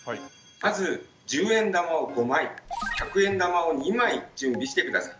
まず１０円玉を５枚１００円玉を２枚準備して下さい。